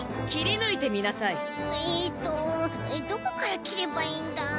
えっとどこからきればいいんだ？